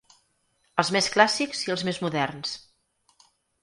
Els més clàssics i els més moderns.